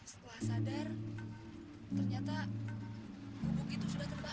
setelah sadar ternyata gubuk itu sudah terbahas